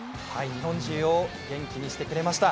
日本中を元気にしてくれました。